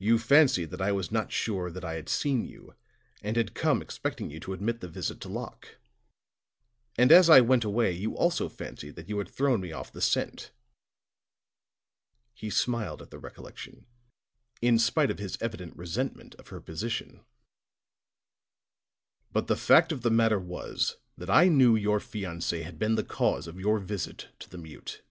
You fancied that I was not sure that I had seen you, and had come expecting you to admit the visit to Locke. And as I went away, you also fancied that you had thrown me off the scent." He smiled at the recollection, in spite of his evident resentment of her position. "But the fact of the matter was that I knew your fiancé had been the cause of your visit to the mute.